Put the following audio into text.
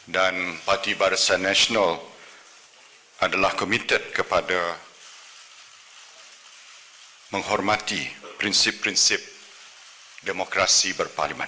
dan partai barisan nasional adalah committed kepada menghormati prinsip prinsip demokrasi berparlimen